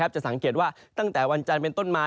จะสังเกตว่าตั้งแต่วันจันทร์เป็นต้นมา